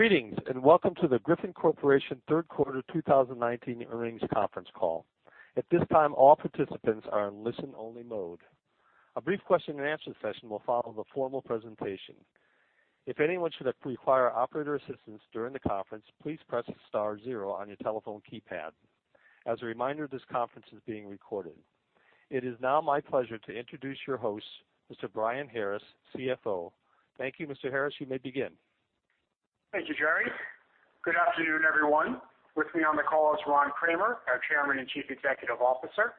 Greetings, and welcome to the Griffon Corporation third quarter 2019 earnings conference call. At this time, all participants are in listen-only mode. A brief question-and-answer session will follow the formal presentation. If anyone should require operator assistance during the conference, please press star zero on your telephone keypad. As a reminder, this conference is being recorded. It is now my pleasure to introduce your host, Mr. Brian Harris, CFO. Thank you, Mr. Harris. You may begin. Thank you, Jerry. Good afternoon, everyone. With me on the call is Ron Kramer, our Chairman and Chief Executive Officer.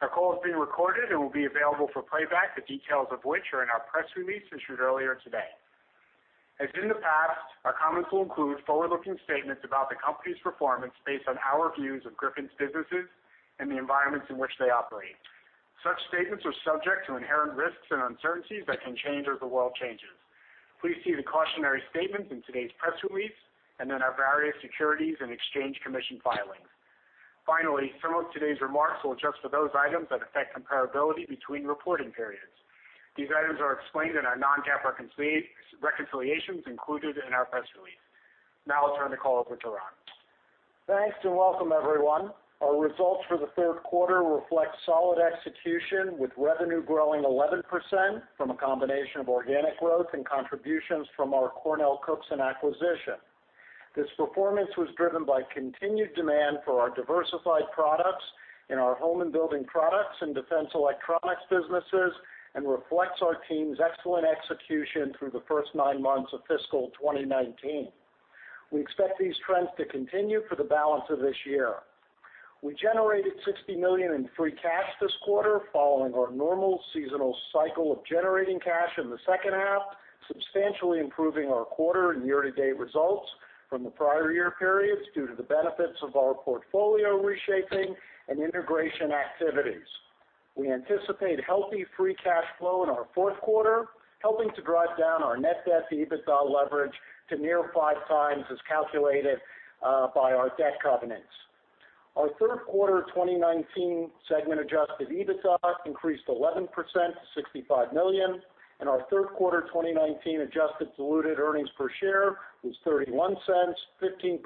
Our call is being recorded and will be available for playback, the details of which are in our press release issued earlier today. As in the past, our comments will include forward-looking statements about the company's performance based on our views of Griffon's businesses and the environments in which they operate. Such statements are subject to inherent risks and uncertainties that can change as the world changes. Please see the cautionary statements in today's press release, and in our various Securities and Exchange Commission filings. Finally, some of today's remarks will adjust for those items that affect comparability between reporting periods. These items are explained in our non-GAAP reconciliations included in our press release. Now I'll turn the call over to Ron. Thanks. Welcome, everyone. Our results for the third quarter reflect solid execution, with revenue growing 11% from a combination of organic growth and contributions from our CornellCookson acquisition. This performance was driven by continued demand for our diversified products in our home and building products and defense electronics businesses, and reflects our team's excellent execution through the first nine months of fiscal 2019. We expect these trends to continue for the balance of this year. We generated $60 million in free cash this quarter following our normal seasonal cycle of generating cash in the second half, substantially improving our quarter and year-to-date results from the prior year periods due to the benefits of our portfolio reshaping and integration activities. We anticipate healthy free cash flow in our fourth quarter, helping to drive down our net debt to EBITDA leverage to near five times as calculated by our debt covenants. Our third quarter 2019 segment adjusted EBITDA increased 11% to $65 million, and our third quarter 2019 adjusted diluted earnings per share was $0.31, 15%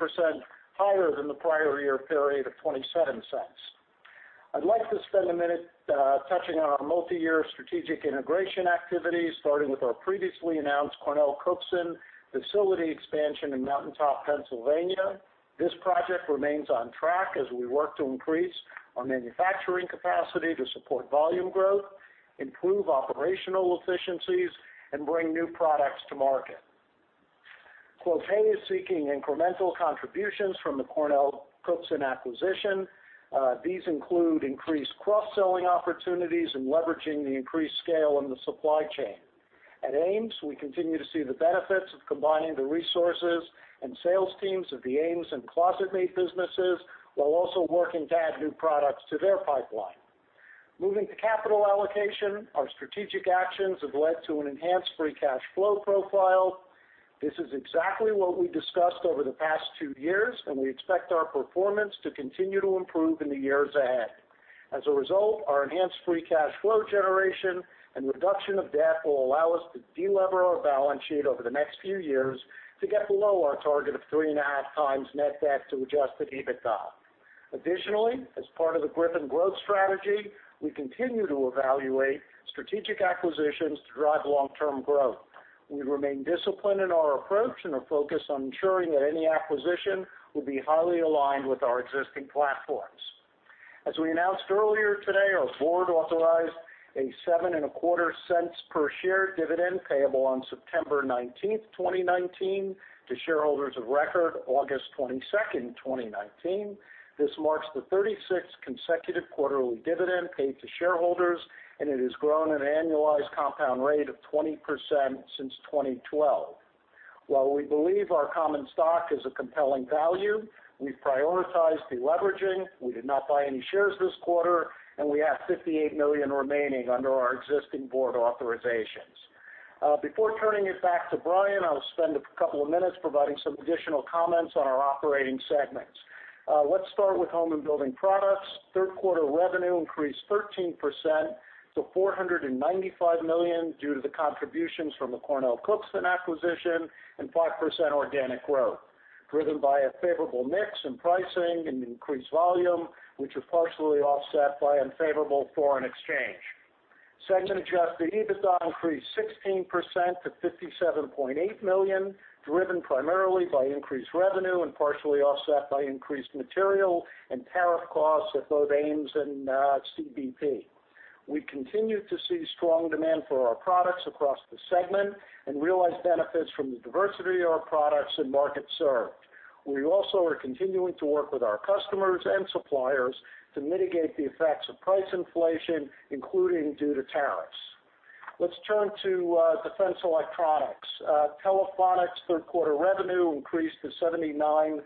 higher than the prior year period of $0.27. I'd like to spend a minute touching on our multi-year strategic integration activities, starting with our previously announced CornellCookson facility expansion in Mountain Top, Pennsylvania. This project remains on track as we work to increase our manufacturing capacity to support volume growth, improve operational efficiencies, and bring new products to market. Quotae is seeking incremental contributions from the CornellCookson acquisition. These include increased cross-selling opportunities and leveraging the increased scale in the supply chain. At AMES, we continue to see the benefits of combining the resources and sales teams of the AMES and ClosetMaid businesses while also working to add new products to their pipeline. Moving to capital allocation, our strategic actions have led to an enhanced free cash flow profile. This is exactly what we discussed over the past two years, and we expect our performance to continue to improve in the years ahead. As a result, our enhanced free cash flow generation and reduction of debt will allow us to de-lever our balance sheet over the next few years to get below our target of 3.5 times net debt to adjusted EBITDA. Additionally, as part of the Griffon growth strategy, we continue to evaluate strategic acquisitions to drive long-term growth. We remain disciplined in our approach and are focused on ensuring that any acquisition will be highly aligned with our existing platforms. As we announced earlier today, our board authorized a $0.0725 per share dividend payable on September 19th, 2019, to shareholders of record August 22nd, 2019. This marks the 36th consecutive quarterly dividend paid to shareholders, and it has grown at an annualized compound rate of 20% since 2012. While we believe our common stock is a compelling value, we prioritize de-leveraging. We did not buy any shares this quarter, and we have $58 million remaining under our existing board authorizations. Before turning it back to Brian, I will spend a couple of minutes providing some additional comments on our operating segments. Let's start with home and building products. Third quarter revenue increased 13% to $495 million due to the contributions from the CornellCookson acquisition and 5% organic growth, driven by a favorable mix in pricing and increased volume, which were partially offset by unfavorable foreign exchange. Segment adjusted EBITDA increased 16% to $57.8 million, driven primarily by increased revenue and partially offset by increased material and tariff costs at both AMES and CBP. We continue to see strong demand for our products across the segment and realize benefits from the diversity of our products and markets served. We also are continuing to work with our customers and suppliers to mitigate the effects of price inflation, including due to tariffs. Let's turn to defense electronics. Telephonics third quarter revenue increased to $79.7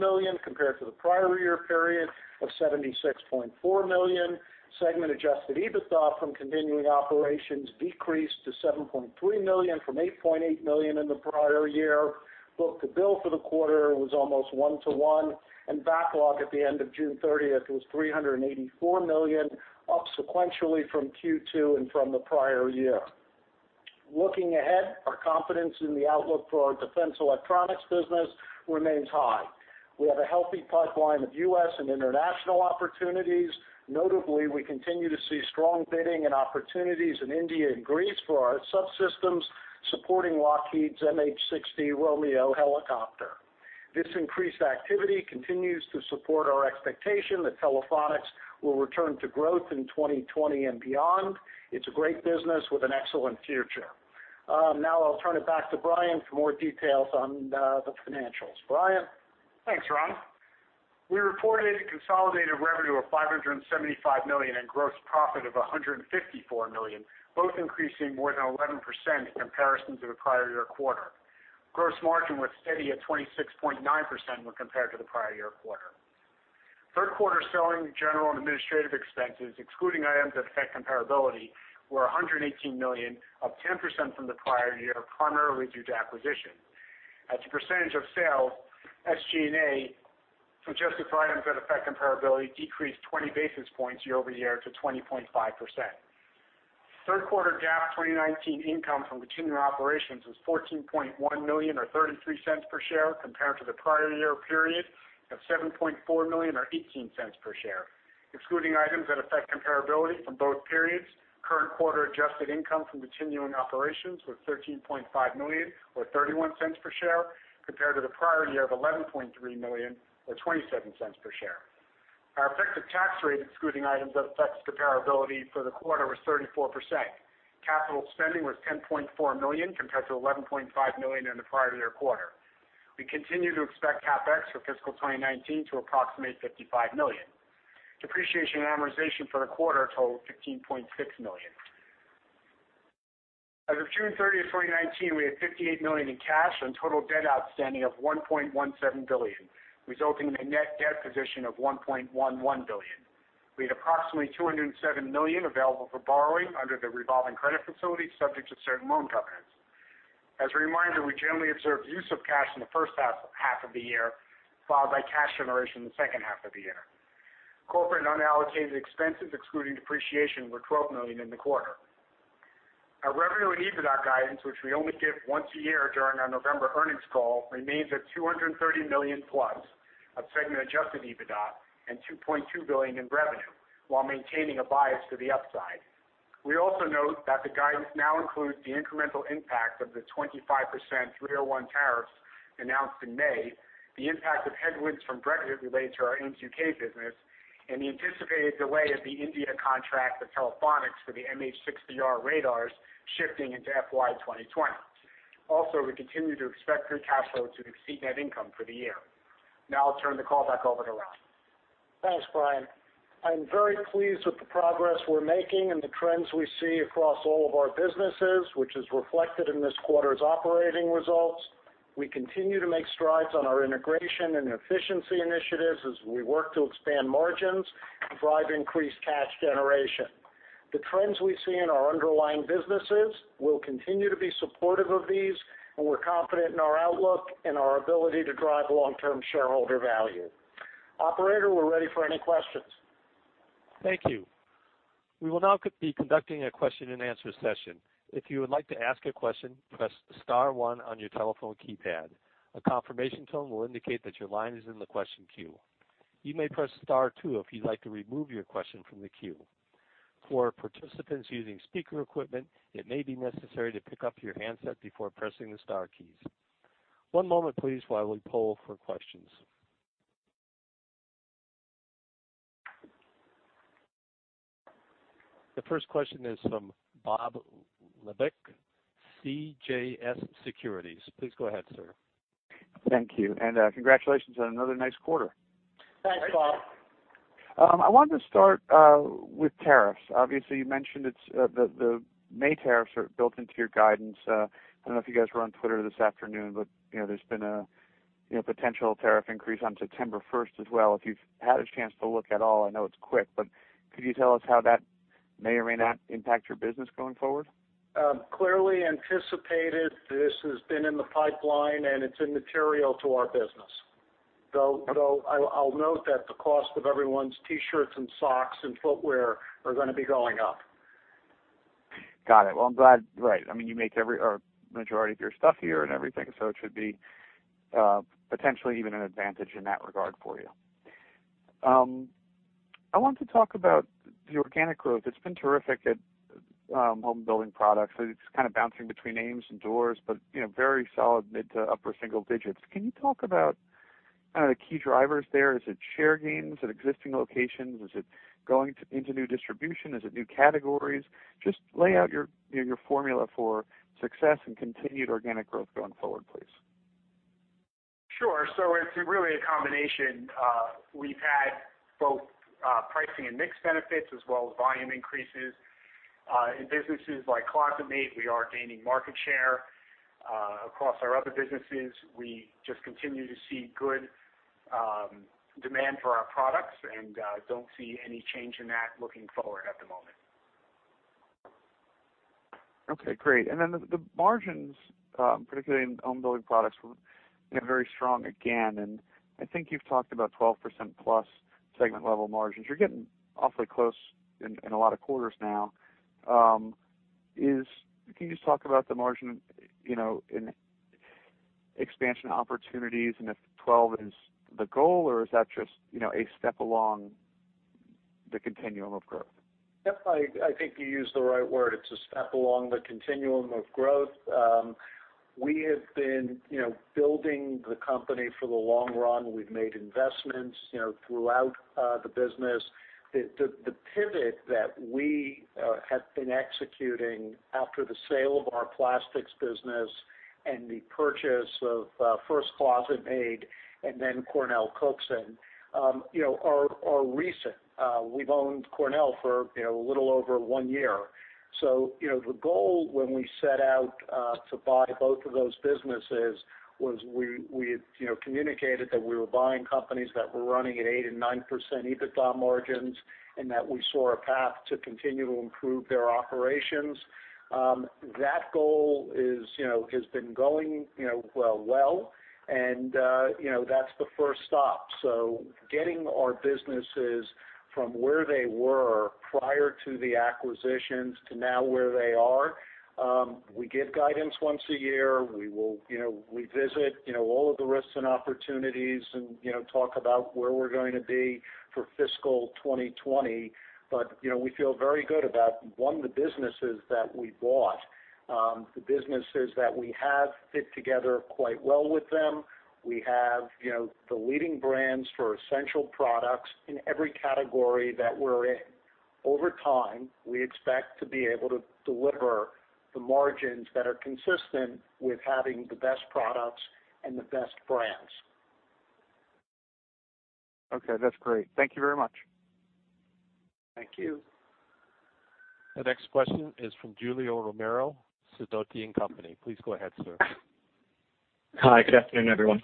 million compared to the prior year period of $76.4 million. Segment adjusted EBITDA from continuing operations decreased to $7.3 million from $8.8 million in the prior year. Book-to-bill for the quarter was almost one to one, and backlog at the end of June 30th was $384 million, up sequentially from Q2 and from the prior year. Looking ahead, our confidence in the outlook for our defense electronics business remains high. We have a healthy pipeline of U.S. and international opportunities. Notably, we continue to see strong bidding and opportunities in India and Greece for our subsystems supporting Lockheed Martin's MH-60R Romeo helicopter. This increased activity continues to support our expectation that Telephonics will return to growth in 2020 and beyond. It's a great business with an excellent future. I'll turn it back to Brian for more details on the financials. Brian? Thanks, Ron. We reported consolidated revenue of $575 million and gross profit of $154 million, both increasing more than 11% in comparison to the prior year quarter. Gross margin was steady at 26.9% when compared to the prior year quarter. Third quarter selling, general, and administrative expenses excluding items that affect comparability, were $118 million, up 10% from the prior year, primarily due to acquisition. As a percentage of sales, SG&A adjusted for items that affect comparability decreased 20 basis points year-over-year to 20.5%. Third quarter GAAP 2019 income from continuing operations was $14.1 million, or $0.33 per share, compared to the prior year period of $7.4 million or $0.18 per share. Excluding items that affect comparability from both periods, current quarter adjusted income from continuing operations was $13.5 million or $0.31 per share compared to the prior year of $11.3 million or $0.27 per share. Our effective tax rate, excluding items that affect comparability for the quarter, was 34%. Capital spending was $10.4 million compared to $11.5 million in the prior year quarter. We continue to expect CapEx for fiscal 2019 to approximate $55 million. Depreciation and amortization for the quarter totaled $15.6 million. As of June 30th, 2019, we had $58 million in cash and total debt outstanding of $1.17 billion, resulting in a net debt position of $1.11 billion. We had approximately $207 million available for borrowing under the revolving credit facility, subject to certain loan covenants. As a reminder, we generally observe use of cash in the first half of the year, followed by cash generation in the second half of the year. Corporate unallocated expenses, excluding depreciation, were $12 million in the quarter. Our revenue and EBITDA guidance, which we only give once a year during our November earnings call, remains at $230 million plus of segment adjusted EBITDA and $2.2 billion in revenue while maintaining a bias to the upside. We also note that the guidance now includes the incremental impact of the 25% 301 tariffs announced in May, the impact of headwinds from Brexit related to our AMES U.K. business, and the anticipated delay of the India contract for Telephonics for the MH-60R radars shifting into FY 2020. We continue to expect free cash flow to exceed net income for the year. Now I'll turn the call back over to Ron. Thanks, Brian. I'm very pleased with the progress we're making and the trends we see across all of our businesses, which is reflected in this quarter's operating results. We continue to make strides on our integration and efficiency initiatives as we work to expand margins and drive increased cash generation. The trends we see in our underlying businesses will continue to be supportive of these, and we're confident in our outlook and our ability to drive long-term shareholder value. Operator, we're ready for any questions. Thank you. We will now be conducting a question and answer session. If you would like to ask a question, press star one on your telephone keypad. A confirmation tone will indicate that your line is in the question queue. You may press star two if you'd like to remove your question from the queue. For participants using speaker equipment, it may be necessary to pick up your handset before pressing the star keys. One moment, please, while we poll for questions. The first question is from Bob Labick, CJS Securities. Please go ahead, sir. Thank you, congratulations on another nice quarter. Thanks, Bob. I wanted to start with tariffs. Obviously, you mentioned the May tariffs are built into your guidance. I don't know if you guys were on Twitter this afternoon, but there's been a potential tariff increase on September 1st as well. If you've had a chance to look at all, I know it's quick, but could you tell us how that may or may not impact your business going forward? Clearly anticipated. This has been in the pipeline, and it's immaterial to our business, though I'll note that the cost of everyone's T-shirts and socks and footwear are going to be going up. Got it. Well, I'm glad. Right. You make a majority of your stuff here and everything, it should be potentially even an advantage in that regard for you. I want to talk about the organic growth. It's been terrific at home building products. It's kind of bouncing between AMES and doors, very solid mid to upper single digits. Can you talk about the key drivers there? Is it share gains at existing locations? Is it going into new distribution? Is it new categories? Just lay out your formula for success and continued organic growth going forward, please. Sure. It's really a combination. We've had both pricing and mix benefits as well as volume increases. In businesses like ClosetMaid, we are gaining market share. Across our other businesses, we just continue to see good demand for our products and don't see any change in that looking forward at the moment. Okay, great. The margins, particularly in Home and Building Products, were very strong again, and I think you've talked about 12% plus Segment level margins. You're getting awfully close in a lot of quarters now. Can you just talk about the margin in expansion opportunities, and if 12 is the goal, or is that just a step along the continuum of growth? Yep. I think you used the right word. It's a step along the continuum of growth. We have been building the company for the long run. We've made investments throughout the business. The pivot that we have been executing after the sale of our plastics business and the purchase of first ClosetMaid and then CornellCookson are recent. We've owned Cornell for a little over one year. The goal when we set out to buy both of those businesses was, we had communicated that we were buying companies that were running at 8% and 9% EBITDA margins, and that we saw a path to continue to improve their operations. That goal has been going well, and that's the first stop. Getting our businesses from where they were prior to the acquisitions to now where they are. We give guidance once a year. We visit all of the risks and opportunities and talk about where we're going to be for FY 2020. We feel very good about, one, the businesses that we bought. The businesses that we have fit together quite well with them. We have the leading brands for essential products in every category that we're in. Over time, we expect to be able to deliver the margins that are consistent with having the best products and the best brands. Okay, that's great. Thank you very much. Thank you. The next question is from Julio Romero, Sidoti & Company. Please go ahead, sir. Hi, good afternoon, everyone.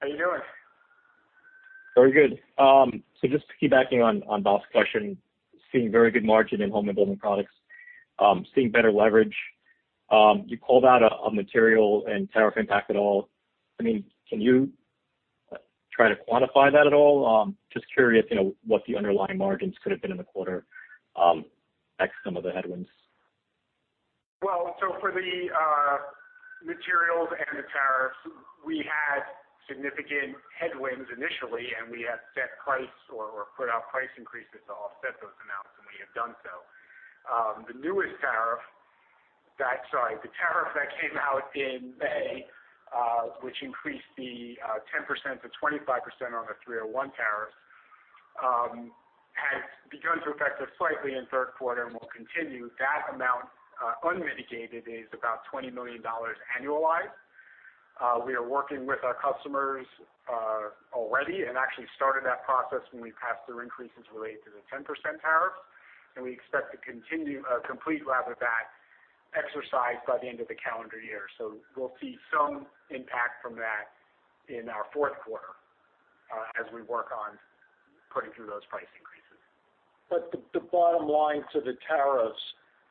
How are you doing? Very good. Just to keep backing on Bob's question, seeing very good margin in home and building products, seeing better leverage. You called out a material and tariff impact at all. Can you try to quantify that at all? Just curious what the underlying margins could have been in the quarter, ex some of the headwinds. For the materials and the tariffs, we had significant headwinds initially, and we have set price or put out price increases to offset those amounts, and we have done so. The tariff that came out in May, which increased the 10% to 25% on the Section 301 tariffs, has begun to affect us slightly in third quarter and will continue. That amount, unmitigated, is about $20 million annualized. We are working with our customers already and actually started that process when we passed through increases related to the 10% tariff, and we expect to complete that exercise by the end of the calendar year. We'll see some impact from that in our fourth quarter as we work on putting through those price increases. The bottom line to the tariffs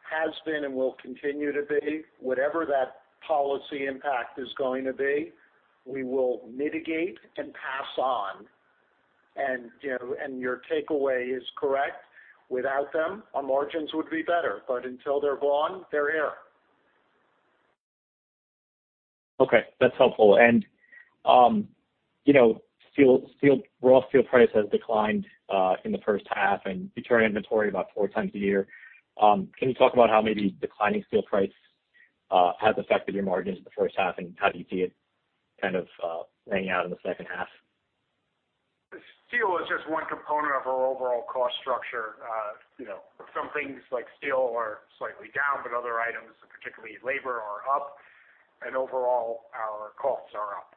has been and will continue to be, whatever that policy impact is going to be, we will mitigate and pass on. Your takeaway is correct. Without them, our margins would be better. Until they're gone, they're here. Okay, that's helpful. Raw steel price has declined in the first half, and you turn inventory about 4 times a year. Can you talk about how maybe declining steel price has affected your margins in the first half, and how do you see it kind of playing out in the second half? Steel is just one component of our overall cost structure. Some things like steel are slightly down, but other items, particularly labor, are up, and overall our costs are up.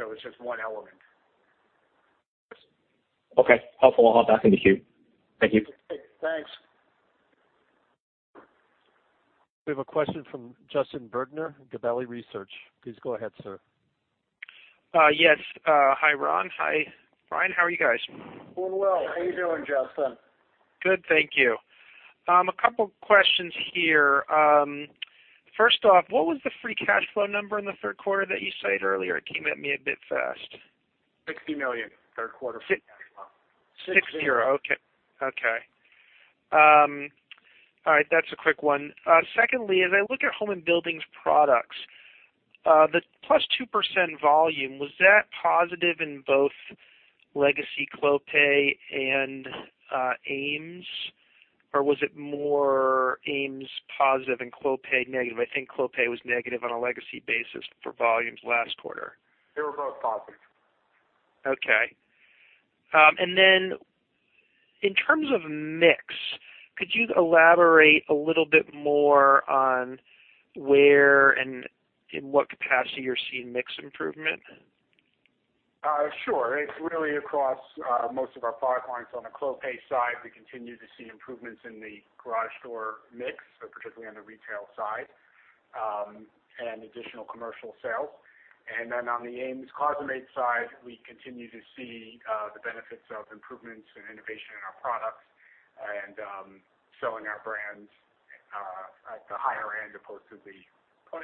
It's just one element. Okay. Helpful. I'll hop back in the queue. Thank you. Thanks. We have a question from Justin Bergner, Gabelli Research. Please go ahead, sir. Yes. Hi, Ron. Hi, Brian. How are you guys? Doing well. How are you doing, Justin? Good, thank you. A couple questions here. First off, what was the free cash flow number in the third quarter that you cited earlier? It came at me a bit fast. $60 million third quarter free cash flow. Six zero. Okay. All right. That's a quick one. As I look at home and buildings products, the +2% volume, was that positive in both legacy Clopay and AMES, or was it more AMES positive and Clopay negative? I think Clopay was negative on a legacy basis for volumes last quarter. They were both positive. Okay. Then in terms of mix, could you elaborate a little bit more on where and in what capacity you're seeing mix improvement? Sure. It's really across most of our product lines. On the Clopay side, we continue to see improvements in the garage door mix, particularly on the retail side, and additional commercial sales. Then on the AMES ClosetMaid side, we continue to see the benefits of improvements and innovation in our products and selling our brands At the higher end opposed to the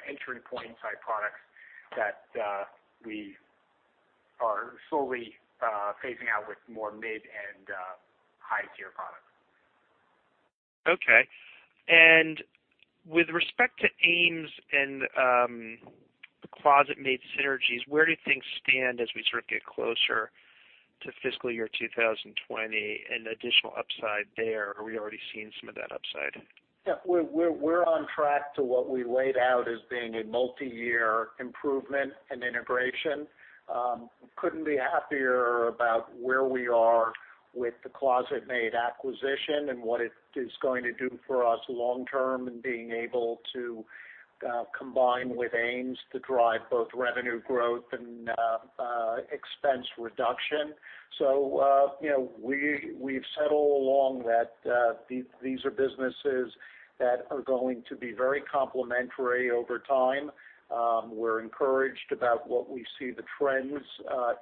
entry point type products that we are slowly phasing out with more mid and high-tier products. Okay. With respect to AMES and the ClosetMaid synergies, where do things stand as we sort of get closer to fiscal year 2020 and additional upside there? Are we already seeing some of that upside? Yeah, we're on track to what we laid out as being a multi-year improvement and integration. Couldn't be happier about where we are with the ClosetMaid acquisition and what it is going to do for us long term and being able to combine with AMES to drive both revenue growth and expense reduction. We've said all along that these are businesses that are going to be very complementary over time. We're encouraged about what we see the trends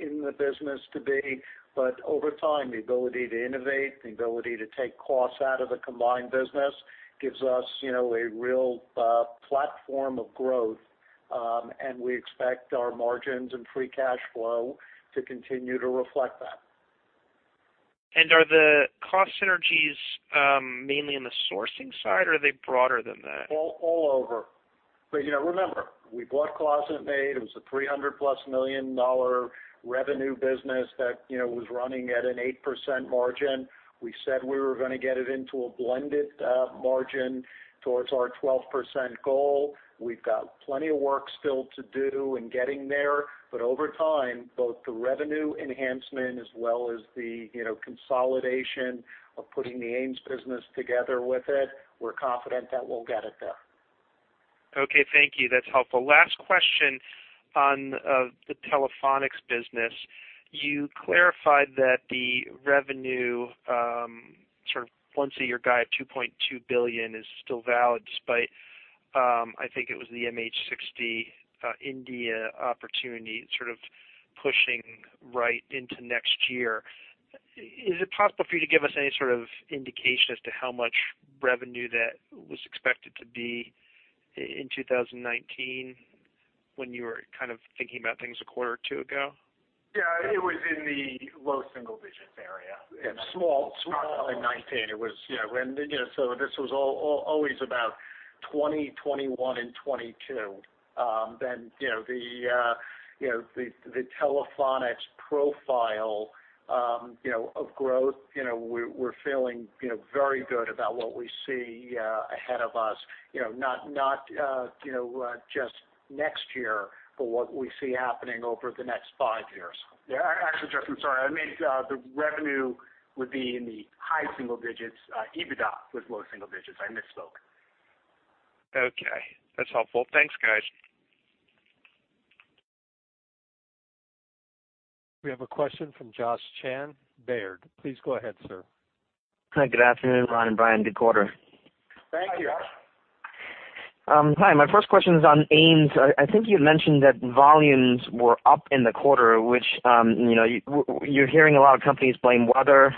in the business to be. Over time, the ability to innovate, the ability to take costs out of the combined business gives us a real platform of growth. We expect our margins and free cash flow to continue to reflect that. Are the cost synergies mainly in the sourcing side or are they broader than that? All over. Remember, we bought ClosetMaid. It was a $300-plus million revenue business that was running at an 8% margin. We said we were going to get it into a blended margin towards our 12% goal. We've got plenty of work still to do in getting there. Over time, both the revenue enhancement as well as the consolidation of putting the AMES business together with it, we're confident that we'll get it there. Okay, thank you. That's helpful. Last question on the Telephonics business. You clarified that the revenue sort of once a year guide, $2.2 billion is still valid despite, I think it was the MH60 India opportunity sort of pushing right into next year. Is it possible for you to give us any sort of indication as to how much revenue that was expected to be in 2019 when you were kind of thinking about things a quarter or two ago? Yeah, it was in the low single digits area. Yeah, small in 2019. This was always about 2020, 2021 and 2022. The Telephonics profile of growth, we're feeling very good about what we see ahead of us. Not just next year, but what we see happening over the next 5 years. Yeah, actually, Justin, I'm sorry. I meant the revenue would be in the high single digits. EBITDA was low single digits. I misspoke. Okay. That's helpful. Thanks, guys. We have a question from Josh Chan, Baird. Please go ahead, sir. Hi, good afternoon, Ron and Brian. Good quarter. Thank you. Thank you, Josh. Hi. My first question is on AMES. I think you had mentioned that volumes were up in the quarter, which you're hearing a lot of companies blame weather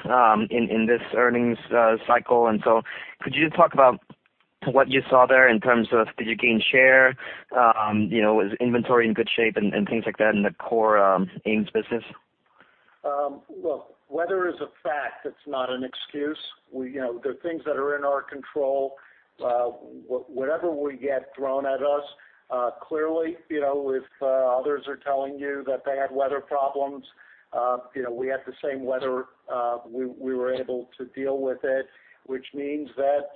in this earnings cycle. Could you talk about what you saw there in terms of, did you gain share? Was inventory in good shape and things like that in the core AMES business? Look, weather is a fact. It's not an excuse. There are things that are in our control. Whatever we get thrown at us, clearly, if others are telling you that they had weather problems, we had the same weather, we were able to deal with it, which means that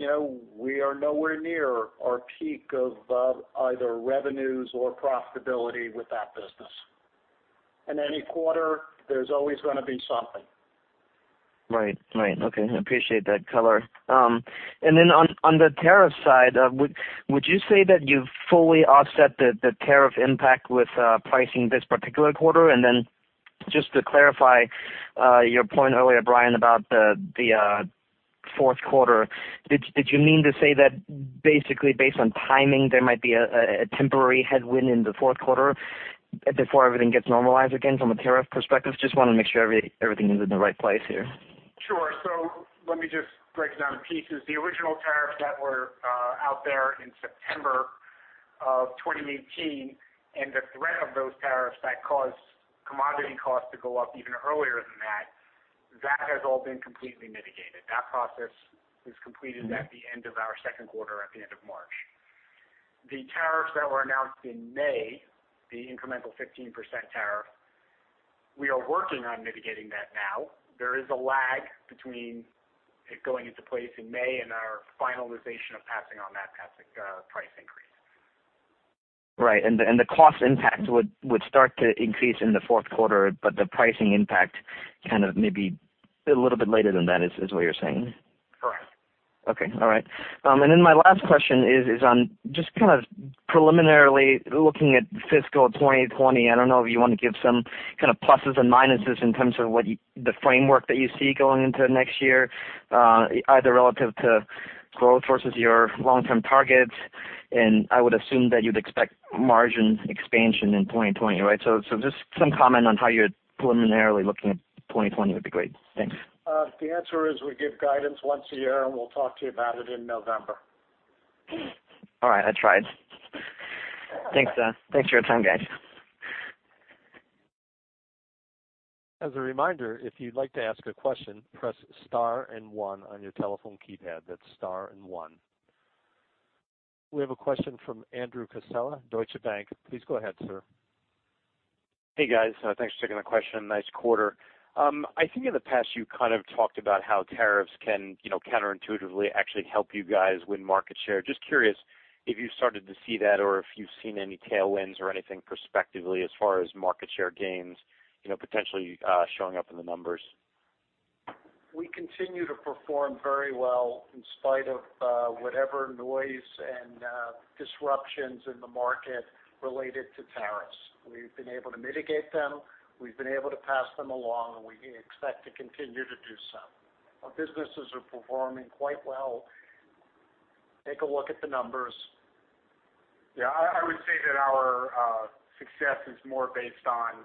we are nowhere near our peak of either revenues or profitability with that business. In any quarter, there's always gonna be something. Right. Okay, appreciate that color. Then on the tariff side, would you say that you've fully offset the tariff impact with pricing this particular quarter? Then just to clarify your point earlier, Brian, about the fourth quarter, did you mean to say that basically based on timing, there might be a temporary headwind in the fourth quarter before everything gets normalized again from a tariff perspective? Just want to make sure everything is in the right place here. Sure. Let me just break it down in pieces. The original tariffs that were out there in September of 2018 and the threat of those tariffs that caused commodity costs to go up even earlier than that has all been completely mitigated. That process was completed at the end of our second quarter, at the end of March. The tariffs that were announced in May, the incremental 15% tariff, we are working on mitigating that now. There is a lag between it going into place in May and our finalization of passing on that price increase. Right. The cost impact would start to increase in the fourth quarter, but the pricing impact kind of maybe a little bit later than that is what you're saying? Correct. Okay. All right. My last question is on just kind of preliminarily looking at fiscal 2020. I don't know if you want to give some kind of pluses and minuses in terms of the framework that you see going into next year, either relative to growth versus your long-term targets. I would assume that you'd expect margin expansion in 2020, right? Just some comment on how you're preliminarily looking at 2020 would be great. Thanks. The answer is we give guidance once a year, and we'll talk to you about it in November. All right. I tried. Thanks for your time, guys. As a reminder, if you'd like to ask a question, press star and one on your telephone keypad. That's star and one. We have a question from Andrew Casella, Deutsche Bank. Please go ahead, sir. Hey, guys. Thanks for taking the question. Nice quarter. I think in the past, you kind of talked about how tariffs can counterintuitively actually help you guys win market share. Just curious if you started to see that or if you've seen any tailwinds or anything prospectively as far as market share gains potentially showing up in the numbers. We continue to perform very well in spite of whatever noise and disruptions in the market related to tariffs. We've been able to mitigate them, we've been able to pass them along, and we expect to continue to do so. Our businesses are performing quite well. Take a look at the numbers. Yeah, I would say that our success is more based on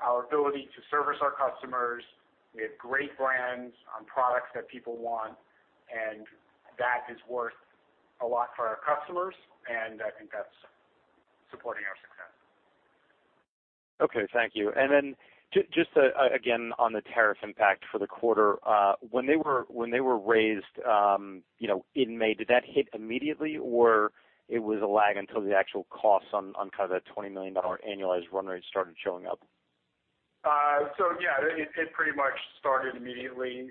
our ability to service our customers. We have great brands on products that people want, and that is worth a lot for our customers, and I think that's supporting our success. Okay, thank you. Then just again on the tariff impact for the quarter. When they were raised in May, did that hit immediately, or it was a lag until the actual costs on kind of that $20 million annualized run rate started showing up? Yeah, it pretty much started immediately.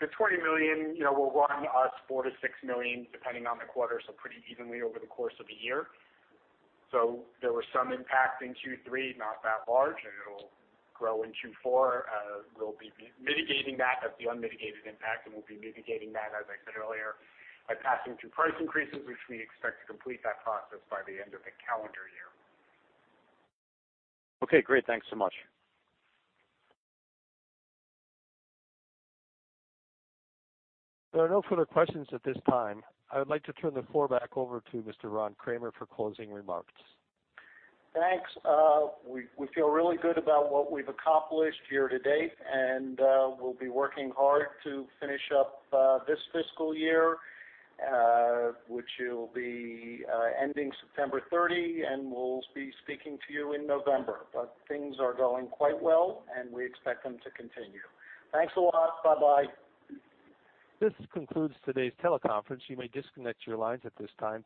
The $20 million will run us $4 million-$6 million depending on the quarter, so pretty evenly over the course of a year. There was some impact in Q3, not that large, and it'll grow in Q4. We'll be mitigating that. That's the unmitigated impact, and we'll be mitigating that, as I said earlier, by passing through price increases, which we expect to complete that process by the end of the calendar year. Okay, great. Thanks so much. There are no further questions at this time. I would like to turn the floor back over to Mr. Ron Kramer for closing remarks. Thanks. We feel really good about what we've accomplished year to date, and we'll be working hard to finish up this fiscal year, which will be ending September 30, and we'll be speaking to you in November. Things are going quite well, and we expect them to continue. Thanks a lot. Bye-bye. This concludes today's teleconference. You may disconnect your lines at this time.